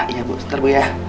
iya bu sebentar bu ya